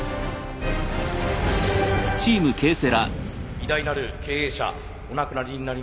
偉大なる経営者お亡くなりになりました